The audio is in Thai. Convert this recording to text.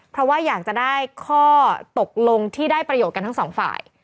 เพราะว่าอยากจะได้ข้อตกลงที่ได้ประโยชน์กันทั้งสองฝ่าย